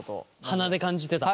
鼻で感じてた。